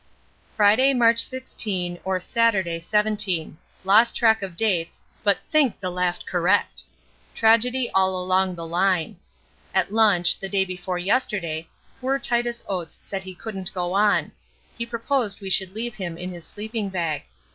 Friday, March 16 or Saturday 17. Lost track of dates, but think the last correct. Tragedy all along the line. At lunch, the day before yesterday, poor Titus Oates said he couldn't go on; he proposed we should leave him in his sleeping bag.